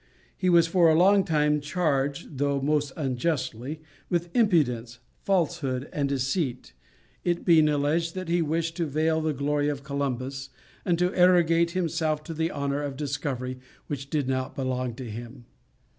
He was for a long time charged, though most unjustly, with impudence, falsehood, and deceit, it being alleged that he wished to veil the glory of Columbus and to arrogate to himself the honour of a discovery which did not belong to him.